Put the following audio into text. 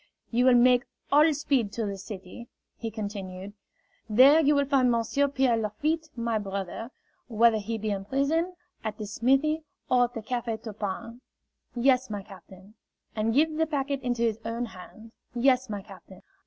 "You will make all speed to the city," he continued. "There you will find Monsieur Pierre Lafitte, my brother whether he be in prison, at the smithy, or at the Cafe Turpin " "Yes, my captain." "And give the packet into his own hand " "Yes, my captain."